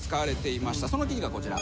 その記事がこちら。